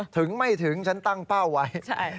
ถึงไม่ถึงฉันตั้งเป้าไว้